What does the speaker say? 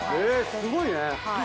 すごいね！